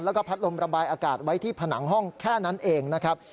แล้วก็พัดลมระบายอากาศไว้ที่ผนังห้องแค่นั้นเองนะครับ